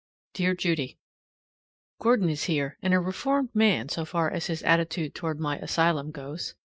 Dear Judy: Gordon is here, and a reformed man so far as his attitude toward my asylum goes.